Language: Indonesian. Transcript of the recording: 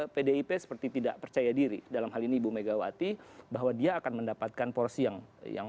pdip seperti tidak percaya diri dalam hal ini ibu megawati bahwa dia akan mendapatkan porsi yang